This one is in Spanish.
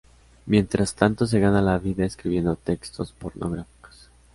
Mientras tanto se gana la vida escribiendo textos pornográficos.